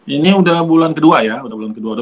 ini udah bulan kedua ya